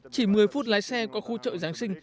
chỉ một mươi phút lái xe qua khu chợ giáng sinh